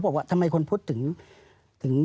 บอกว่าทำไมคนพุทธถึง